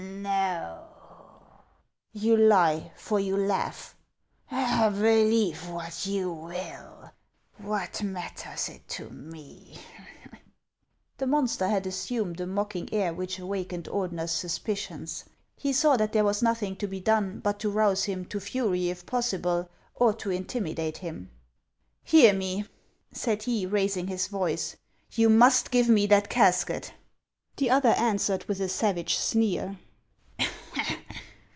" No." " You lie, for you laugh." " Believe what you will. What matters it to me ?" The monster had assumed a mocking air which awak ened Ordener' s suspicions. He saw that there was nothing to be done but to rouse him to fury if possible, or to intimidate him. " Hear me," said he, raising his voice ;" you must give me that casket." The other answered with a savage sneer.